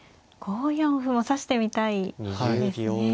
５四歩も指してみたい手ですね。